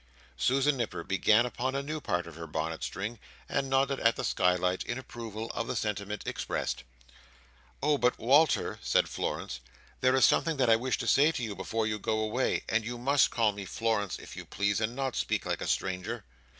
Susan Nipper began upon a new part of her bonnet string, and nodded at the skylight, in approval of the sentiment expressed. "Oh! but, Walter," said Florence, "there is something that I wish to say to you before you go away, and you must call me Florence, if you please, and not speak like a stranger."